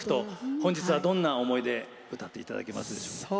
本日は、どんな思いで歌っていただけますでしょうか？